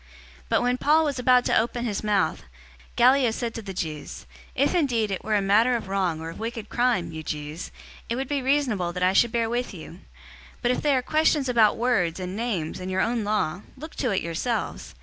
018:014 But when Paul was about to open his mouth, Gallio said to the Jews, "If indeed it were a matter of wrong or of wicked crime, you Jews, it would be reasonable that I should bear with you; 018:015 but if they are questions about words and names and your own law, look to it yourselves.